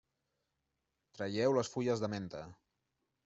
Traieu les fulles de menta.